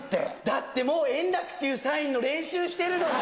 だってもう、円楽っていうサインの練習してるのよ。